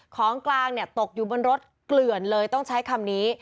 ของกลางเนี่ยตกอยู่บนรถเกลื่อนเลยต้องใช้คำนี้